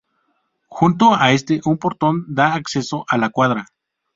Junto a este un portón da acceso a la cuadra.